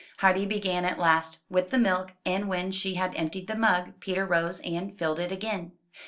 Heidi began at last, with the milk; and when she had emptied the mug, Peter rose and filled it again.